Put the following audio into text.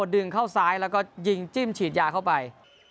ดึงเข้าซ้ายแล้วก็ยิงจิ้มฉีดยาเข้าไป